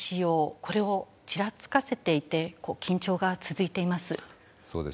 これをちらつかせていて緊張が続いています。